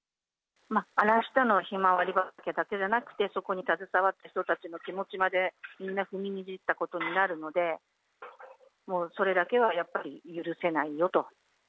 荒らしたのはヒマワリ畑だけじゃなくて、そこに携わった人たちの気持ちまでみんな、踏みにじったことになるので、もう、それだけはやっぱり許せないよと。